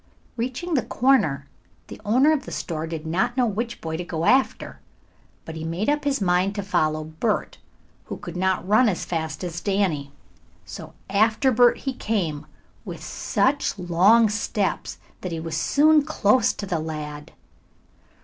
Reaching the corner, the owner of the store did not know which boy to go after, but made up his mind to follow Bert, who could not run as fast as Danny. So after Bert he came, with such long steps that he was soon close to the lad.